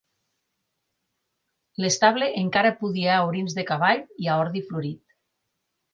L'estable encara pudia a orins de cavall i a ordi florit